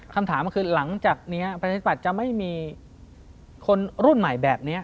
คำถามก็คือหลังจากนี้ประชาธิปัตย์จะไม่มีคนรุ่นใหม่แบบนี้